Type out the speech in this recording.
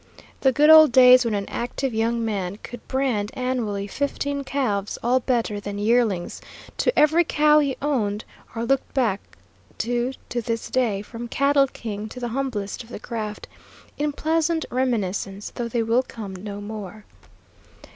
The good old days when an active young man could brand annually fifteen calves all better than yearlings to every cow he owned, are looked back to to this day, from cattle king to the humblest of the craft, in pleasant reminiscence, though they will come no more.